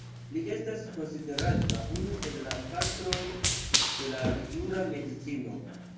Li estas konsiderata unu el la patroj de la jura medicino.